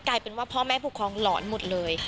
กลายเป็นว่าพ่อแม่ผู้ครองหลอนหมดเลย